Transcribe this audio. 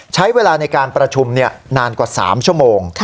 ใช้เวลาในการประชุมนานกว่า๓ชั่วโมง